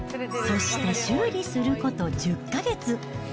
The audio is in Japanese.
そして修理すること１０か月。